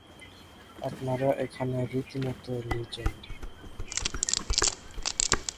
আপনারা এখানে রীতিমত লিজেন্ড।